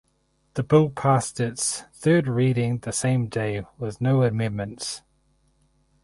The Bill passed its third reading the same day with no amendments.